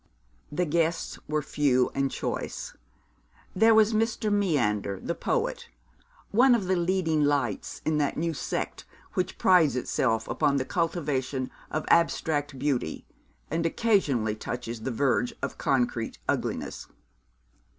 The guests were few and choice. There was Mr. Meander, the poet, one of the leading lights in that new sect which prides itself upon the cultivation of abstract beauty, and occasionally touches the verge of concrete ugliness.